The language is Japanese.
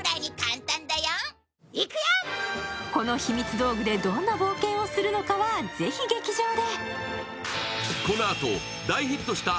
道具でどんな冒険をするのかは、ぜひ劇場で。